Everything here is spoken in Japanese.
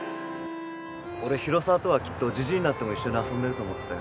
俺広沢とはきっとジジイになっても一緒に遊んでると思ってたよ